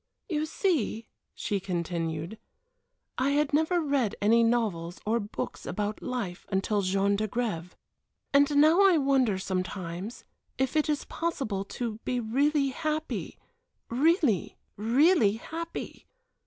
"You see," she continued, "I had never read any novels, or books about life until Jean d'Agrève. And now I wonder sometimes if it is possible to be really happy really, really happy?"